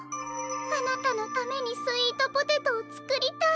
あなたのためにスイートポテトをつくりたい。